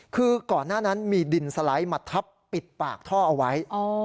คือก่อนหน้านั้นมีดินสไลด์มาทับปิดปากท่อเอาไว้